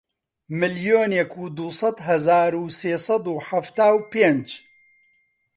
ملیۆنێک و دوو سەد هەزار و سێ سەد و حەفتا و پێنج